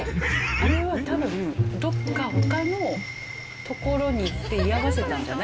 あれは多分どっか他の所に行って居合わせたんじゃない？